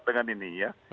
dengan ini ya